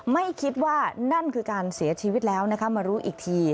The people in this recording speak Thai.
ไม่คิดว่านั่นคือการเสียชีวิตแล้วนะคะมารู้อีกที